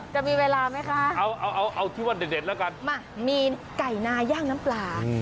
จะมีเวลาไหมคะเอาเอาที่ว่าเด็ดแล้วกันมามีไก่นาย่างน้ำปลา